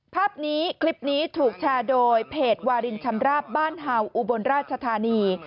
ภาพนี้คลิปนี้ถูกแชร์โดยเพจวารินชำราบบ้านเห่าอุบลราชธานี